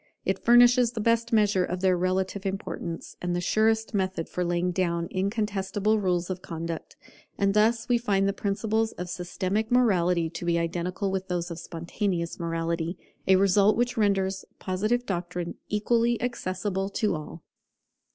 It furnishes the best measure of their relative importance, and the surest method for laying down incontestable rules of conduct. And thus we find the principles of systematic morality to be identical with those of spontaneous morality, a result which renders Positive doctrine equally accessible to all.